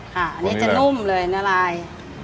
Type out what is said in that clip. ค่ะอันนี้จะนุ่มเลยนะลาย